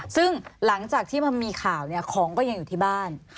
ซึ่งหลังจากที่มันมีข่าวของก็ยังอยู่ที่บ้าน